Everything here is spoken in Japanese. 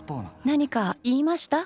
何か言いました？